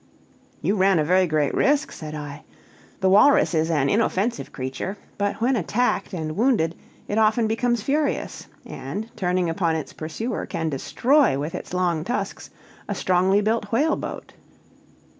"You ran a very great risk," said I. "The walrus is an inoffensive creature; but when attacked and wounded, it often becomes furious, and, turning upon its pursuer, can destroy, with its long tusks, a strongly built whale boat.